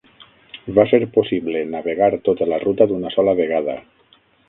Va ser possible navegar tota la ruta d'una sola vegada.